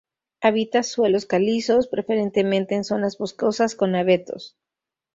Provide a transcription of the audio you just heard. Habita suelos calizos, preferentemente en zonas boscosas con abetos.